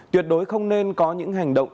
tuyệt đối không nên có những hành động